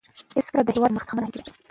هېڅکله د هېواد د پرمختګ څخه مه ناهیلي کېږئ.